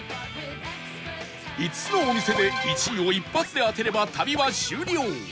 ５つのお店で１位を一発で当てれば旅は終了